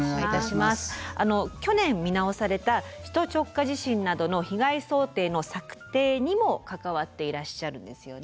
去年見直された首都直下地震などの被害想定の策定にも関わっていらっしゃるんですよね。